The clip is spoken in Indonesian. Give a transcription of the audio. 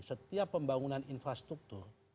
setiap pembangunan infrastruktur